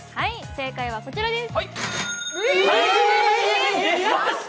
正解はこちらです！